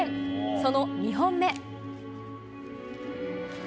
その２本目。